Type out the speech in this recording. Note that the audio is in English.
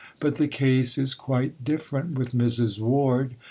But the case is quite different with Mrs. Ward.